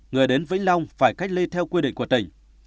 người đến vĩnh long phải cách ly theo quy định của tỉnh